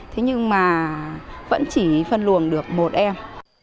thế nhưng mà vẫn chỉ phân luồng được một em